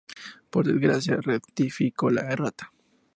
por desgracia, rectificó la errata